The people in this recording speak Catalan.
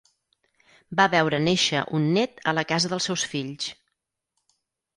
Va veure néixer un nét a la casa dels seus fills.